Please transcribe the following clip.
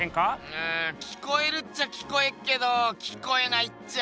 うん聞こえるっちゃ聞こえっけど聞こえないっちゃ。